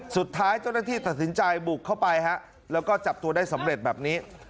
สุดท้ายเจ้าหน้าที่ตัดสินใจบุกเข้าไปฮะแล้วก็จับตัวได้สำเร็จแบบนี้